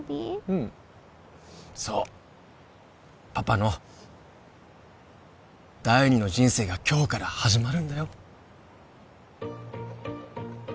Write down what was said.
うんそうパパの第２の人生が今日から始まるんだよ